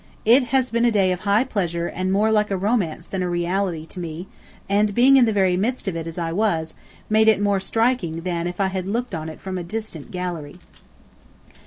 It has been a day of high pleasure and more like a romance than a reality to me, and being in the very midst of it as I was, made it more striking than if I had looked on from a distant gallery.